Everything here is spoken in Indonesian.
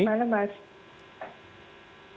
selamat malam mas